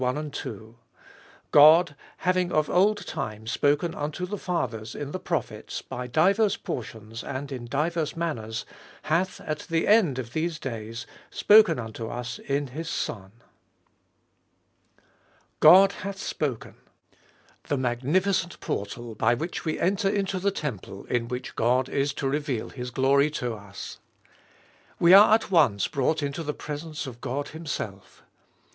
God, having of old time spoken unto the fathers in the prophets by divers portions and in divers manners, 2. Hath at the end of these days spoken unto us in his Son. God hath spoken! The magnificent portal by which we enter into the temple in which God is to reveal His glory to us ! We are at once brought into the presence of God Himself.